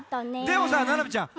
でもさななみちゃん。